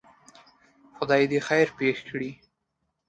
خدای دی خیر پېښ کړي.